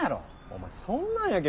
お前そんなんやけ